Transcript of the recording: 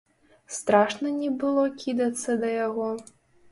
Страшна не было кідацца да яго?